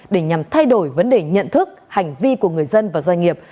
để nhằm thay đổi vấn đề nhận thức hành vi của người dân và doanh nghiệp